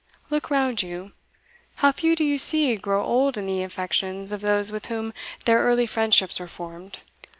Look round you how few do you see grow old in the affections of those with whom their early friendships were formed!